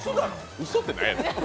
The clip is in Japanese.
うそって何やねん。